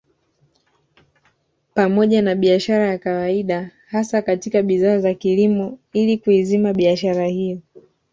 Pamoja na biashara ya kawaida hasa katika bidhaa za kilimo ili kuizima biashara hiyo